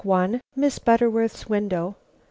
_ MISS BUTTERWORTH'S WINDOW. I.